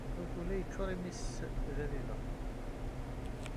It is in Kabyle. Awtul-a yeččuṛ yimi-s d abiba.